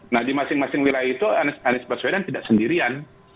nah di masing masing wilayah itu anies baswedan tidak sendirian